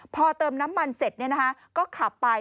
พอเติมน้ำมันเสร็จเนี่ยนะคะก็ขับไป